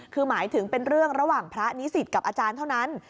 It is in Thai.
คือหมายถึงเป็นเรื่องระหว่างพระนิสิตกับอาจารย์เท่านั้น